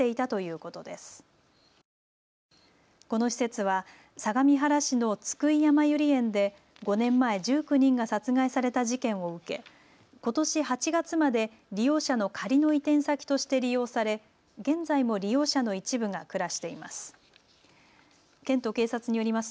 この施設は相模原市の津久井やまゆり園で５年前、１９人が殺害された事件を受けことし８月まで利用者の仮の移転先として利用され現在も利用者の一部が暮らしています。